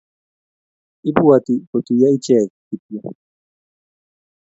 Ibwoti kotuiyo iche kityo